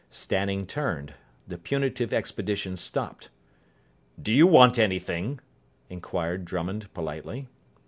Stanning turned. The punitive expedition stopped. "Do you want anything?" inquired Drummond politely.